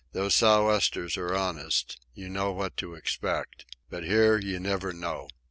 "Those sou' westers are honest. You know what to expect. But here you never know.